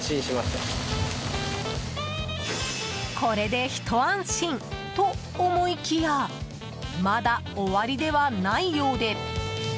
これでひと安心と思いきやまだ、終わりではないようで。